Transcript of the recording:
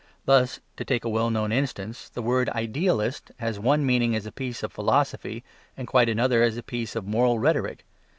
Thus, to take a well known instance, the word "idealist" has one meaning as a piece of philosophy and quite another as a piece of moral rhetoric.